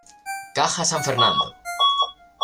Caja San Fernando.